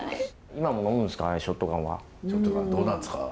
今も呑むんですかね？